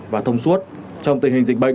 và thông suốt trong tình hình dịch bệnh